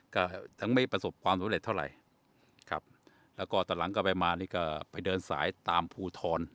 ก็ทั้งไม่ประสบความสำเร็จเท่าไหร่ครับแล้วก็ตอนหลังก็ไปมานี่ก็ไปเดินสายตามภูทร